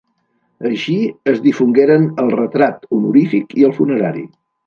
Així, es difongueren el retrat honorífic i el funerari.